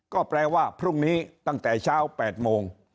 ก็แปลว่าพรุ่งนี้ตั้งแต่เช้า๘โมง